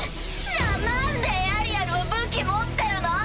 じゃあなんでエアリアルは武器持ってるの？